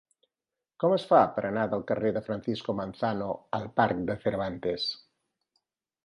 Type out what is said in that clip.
Com es fa per anar del carrer de Francisco Manzano al parc de Cervantes?